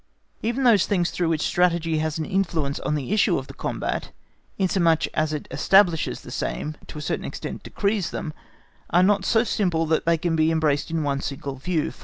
Even those things through which Strategy has an influence on the issue of the combat, inasmuch as it establishes the same, to a certain extent decrees them, are not so simple that they can be embraced in one single view.